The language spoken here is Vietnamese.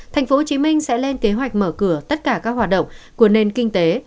tp hcm sẽ lên kế hoạch mở cửa tất cả các hoạt động của nền kinh tế